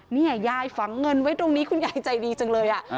เนี่ยยายฝังเงินไว้ตรงนี้คุณยายใจดีจังเลย